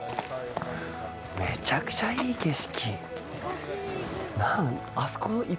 めちゃくちゃいい景色。